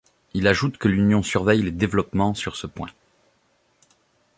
Il ajoute que l'Union surveille les développements sur ce point.